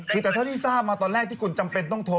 คือแต่เท่าที่ทราบมาตอนแรกที่คุณจำเป็นต้องโทร